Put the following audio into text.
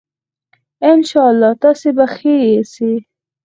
ان شاءاللّه تاسي به ښه سئ